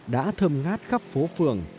đã thơm ngát khắp phố phường